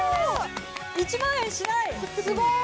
１万円しない！